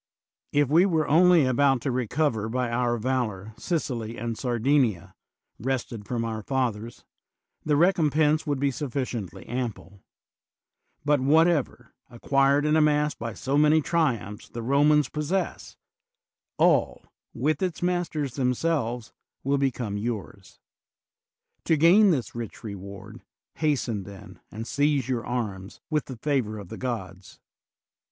If we were only about to recover by our valor Sicily and Sardin ia, wrested from our fathers, the recompense would be suflSciently ample; but whatever, ac quired and amassed by so many triumphs, the Romans possess, all, with its masters themselves, will become yours. To gain this rich reward, hasten, then, and seize your arms, with the favor of the gods.